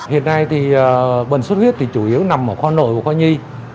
hiện nay bệnh xuất huyết chủ yếu nằm ở kho nội của kho nhi